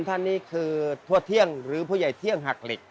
ท่านนี้คือทั่วเที่ยงหรือผู้ใหญ่เที่ยงหักเหล็ก